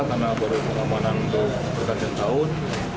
karena baru pengamanan untuk berkajian tahun